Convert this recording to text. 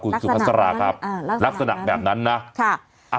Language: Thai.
รักษณะแบบนั้นครับรักษณะแบบนั้นนะค่ะ